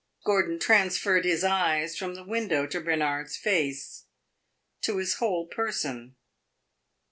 Gordon transferred his eyes from the window to Bernard's face to his whole person.